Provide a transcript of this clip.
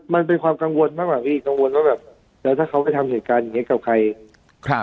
มันเป็นความกังวลมากแล้วถ้าเขาไปทำเหตุการณ์อย่างนี้กับใคร